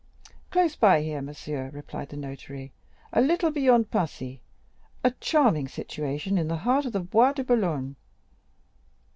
"Close by here, monsieur," replied the notary—"a little beyond Passy; a charming situation, in the heart of the Bois de Boulogne."